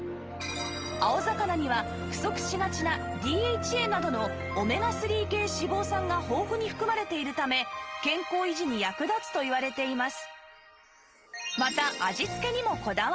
青魚には不足しがちな ＤＨＡ などのオメガ３系脂肪酸が豊富に含まれているため健康維持に役立つといわれています